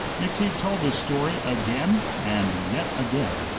McTeague told this story again, and yet again.